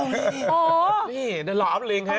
นี่นอรอบลิงเฮ่ย